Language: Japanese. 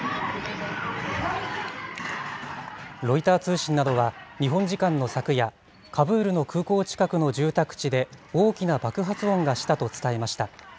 ロイター通信などは日本時間の昨夜、カブールの空港近くの住宅地で、大きな爆発音がしたと伝えました。